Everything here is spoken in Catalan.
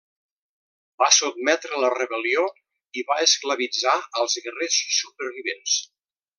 Va sotmetre la rebel·lió i va esclavitzar als guerrers supervivents.